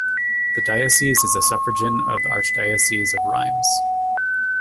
The diocese is a suffragan of the Archdiocese of Reims.